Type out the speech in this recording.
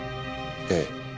ええ。